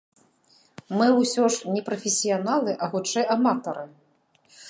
Мы ўсё ж не прафесіяналы, а, хутчэй, аматары.